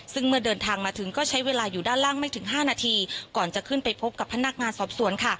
ซึ่งเมื่อเดินทางมาถึงก็ใช้เวลาอยู่ด้านล่างไม่ถึง๕นาทีก่อนจะขึ้นไปพบกับพนักงานสอบสวนค่ะ